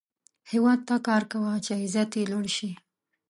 هیواد ته کار کوه، چې عزت یې لوړ شي